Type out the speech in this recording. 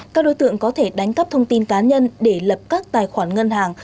các đối tượng có thể đánh cắp thông tin cá nhân để lập các tài khoản ngân hàng